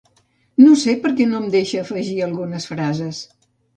No sé per què no em deixa afegir algunes frases.